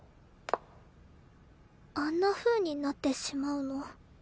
あんなふうになってしまうの？